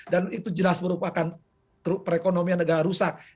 dan itu jelas merupakan perekonomian negara rusak